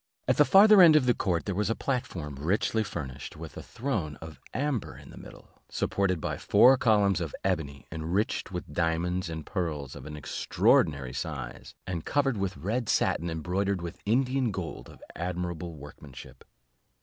At the farther end of the court there was a platform, richly furnished, with a throne of amber in the middle, supported by four columns of ebony, enriched with diamonds and pearls of an extraordinary size, and covered with red satin embroidered with Indian gold of admirable workmanship.